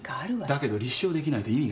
だけど立証できないと意味がない。